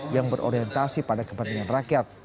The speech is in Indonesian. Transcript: yang berorientasi pada kepentingan rakyat